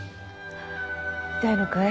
痛いのかい？